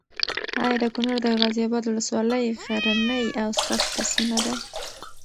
ایا د کونړ د غازي اباد ولسوالي غرنۍ او سخته سیمه ده؟